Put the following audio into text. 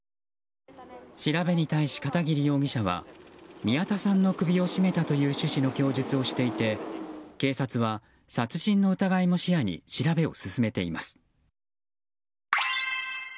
調べに対し片桐容疑者は宮田さんの首を絞めたという趣旨の供述をしていて警察は殺人の疑いも視野に調べを進めています。